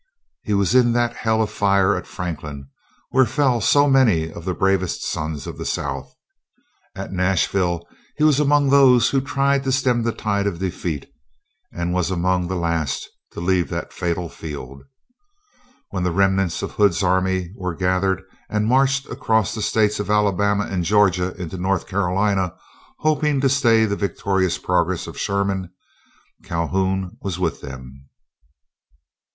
He was in that hell of fire at Franklin, where fell so many of the bravest sons of the South. At Nashville he was among those who tried to stem the tide of defeat, and was among the last to leave that fatal field. When the remnants of Hood's army were gathered and marched across the states of Alabama and Georgia into North Carolina, hoping to stay the victorious progress of Sherman, Calhoun was with them.